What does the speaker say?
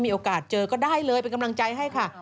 มดดำไหม